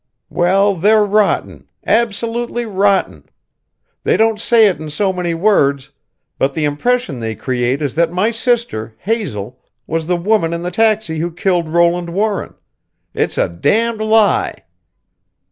"Well, they're rotten absolutely rotten. They don't say it in so many words, but the impression they create is that my sister, Hazel, was the woman in the taxi who killed Roland Warren. It's a damned lie!"